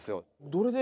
どれで？